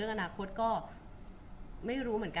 คุณผู้ถามเป็นความขอบคุณค่ะ